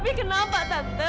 tapi kenapa tante